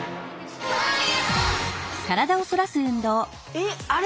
えっあれ